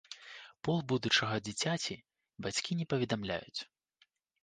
Пол будучага дзіцяці бацькі не паведамляюць.